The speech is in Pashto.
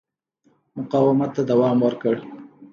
مقاومت ته دوام ورکړ.